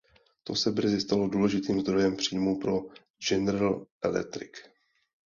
To se brzy stalo důležitým zdrojem příjmů pro General Electric.